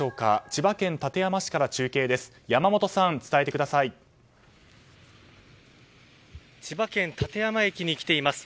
千葉県館山市から中継です。